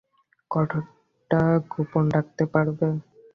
কথাটা গোপন রাখতে পারবে?